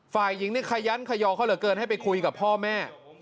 ฝ่ายหญิงนี่ขยันขยอเขาเหลือเกินให้ไปคุยกับพ่อแม่